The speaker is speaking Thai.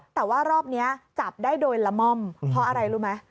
แต่ว่ารอบนี้จับได้โดยละม่อมเพราะอะไรรู้ไหม